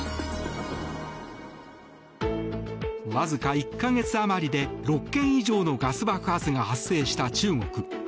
わずか１か月余りで６件以上のガス爆発が発生した中国。